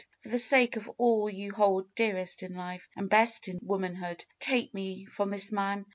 For the sake of all you hold dearest in life and best in womanhood, take me from this man.